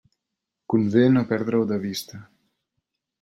Convé no perdre-ho de vista.